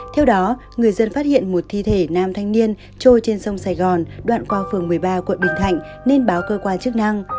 theo đó người dân phát hiện một thi thể nam thanh niên trôi trên sông sài gòn đoạn qua phường một mươi ba quận bình thạnh nên báo cơ quan chức năng